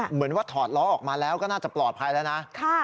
เหมือนว่าถอดล้อออกมาแล้วก็น่าจะปลอดภัยแล้วนะ